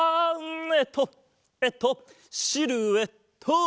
えっとえっとシルエット！